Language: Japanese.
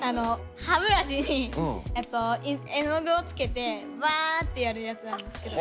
歯ブラシに絵の具をつけてバってやるやつなんですけど。